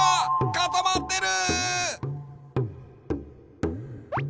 かたまってる！